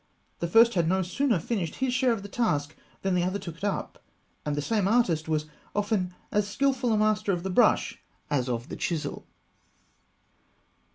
The first had no sooner finished his share of the task than the other took it up; and the same artist was often as skilful a master of the brush as of the chisel.